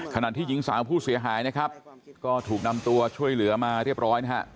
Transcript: ขณะที่หญิงสาวผู้เสียหายนะครับก็ถูกนำตัวช่วยเหลือมาเรียบร้อยนะฮะ